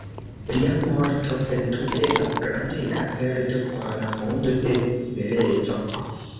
Lia morto sendube estas grandega perdo por la mondo de beleco.